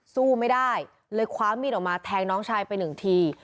สู้ไม่ได้เลยคว้ามีดออกมาแทงน้องชายไปหนึ่งที